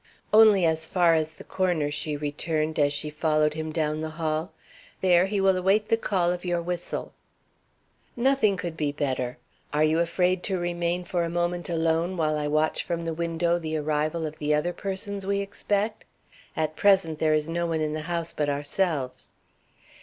"Only as far as the corner," she returned, as she followed him down the hall. "There he will await the call of your whistle." "Nothing could be better. Are you afraid to remain for a moment alone, while I watch from the window the arrival of the other persons we expect? At present there is no one in the house but ourselves."